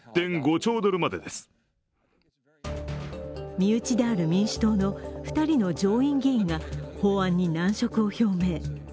身内である民主党の２人の上院議員が法案に難色を表明。